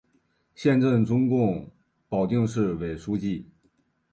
现任中共保定市委书记。